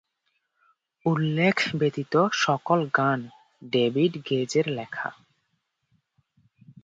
উল্লেখ ব্যতীত সকল গান ডেভিড গেজের লেখা।